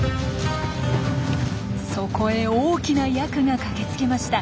そこへ大きなヤクが駆けつけました。